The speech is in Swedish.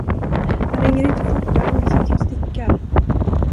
Han ringer inte fortare om du sitter och stickar.